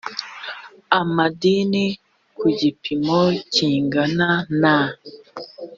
amadini ku gipimo kingana na